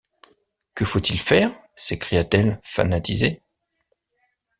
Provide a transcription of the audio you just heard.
Que faut-il faire? s’écria-t-elle fanatisée.